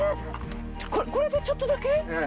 これでちょっとだけ？